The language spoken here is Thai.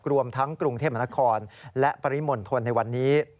รวมทั้งกรุงเทพมนครและปริมณฑลในวันนี้